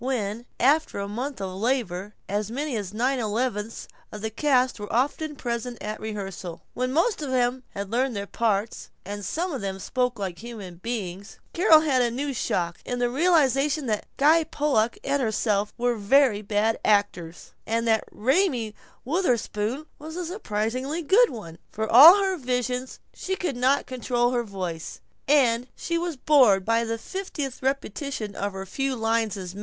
When, after a month of labor, as many as nine elevenths of the cast were often present at a rehearsal; when most of them had learned their parts and some of them spoke like human beings, Carol had a new shock in the realization that Guy Pollock and herself were very bad actors, and that Raymie Wutherspoon was a surprisingly good one. For all her visions she could not control her voice, and she was bored by the fiftieth repetition of her few lines as maid.